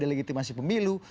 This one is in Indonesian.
sebagai delegitimasi pemilu